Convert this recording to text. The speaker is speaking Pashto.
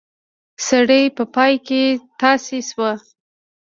سړی په پای کې تاسی شو.